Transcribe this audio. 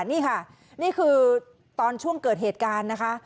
นี่ค่ะนี่คือตอนช่วงเกิดเหตุการณ์นะคะ